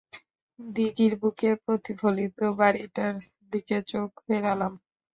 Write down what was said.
দিঘির বুকে প্রতিফলিত বাড়িটার দিকে চোখ ফেরালাম।